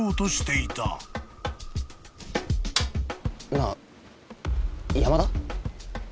なあ山田？